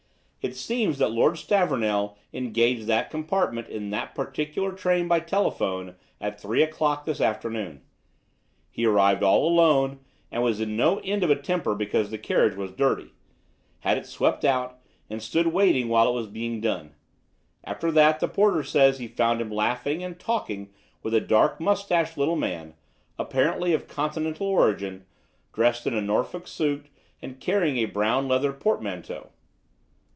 It seems that Lord Stavornell engaged that compartment in that particular train by telephone at three o'clock this afternoon. He arrived all alone, and was in no end of a temper because the carriage was dirty; had it swept out, and stood waiting while it was being done. After that the porter says he found him laughing and talking with a dark moustached little man, apparently of continental origin, dressed in a Norfolk suit and carrying a brown leather portmanteau.